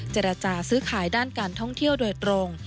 เจรจาซื้อขายด้านการท่องเที่ยวโดยตรง